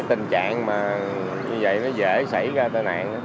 tình trạng mà như vậy nó dễ xảy ra tai nạn